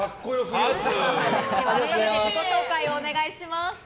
自己紹介をお願いします。